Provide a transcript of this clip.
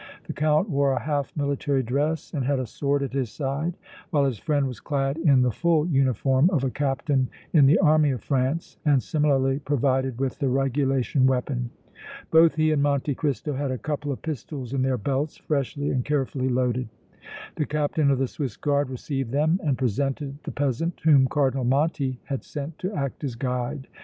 The Count wore a half military dress and had a sword at his side, while his friend was clad in the full uniform of a Captain in the Army of France and similarly provided with the regulation weapon. Both he and Monte Cristo had a couple of pistols in their belts, freshly and carefully loaded. The Captain of the Swiss Guard received them and presented the peasant whom Cardinal Monti had sent to act as guide.